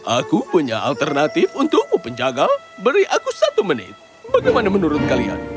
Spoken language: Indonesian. aku punya alternatif untukmu penjaga beri aku satu menit bagaimana menurut kalian